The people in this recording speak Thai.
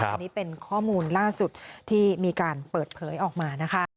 อันนี้เป็นข้อมูลล่าสุดที่มีการเปิดเผยออกมานะคะ